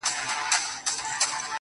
دغه دی ويې گوره دا لونگ ښه يمه_